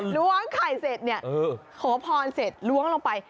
ล้วงไข่เสร็จเนี่ยขอพรเสร็จล้วงลงไป